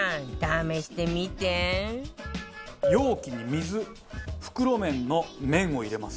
容器に水袋麺の麺を入れます。